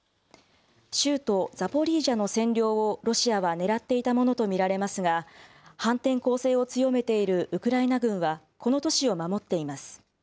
州都ザポリージャの占領をロシアは狙っていたものと見られますが、反転攻勢を強めているウクライナ軍はこの都市を守っています。